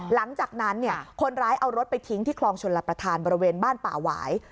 หลังจากนั้นคนร้ายเอารถไปทิ้งที่คลองชลประธานบริเวณบ้านป่าหวาย